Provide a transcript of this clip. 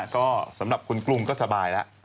ก็สำหรับคุณกรุงก็สบายแล้ว